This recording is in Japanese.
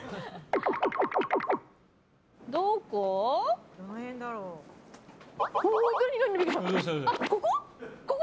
どこ？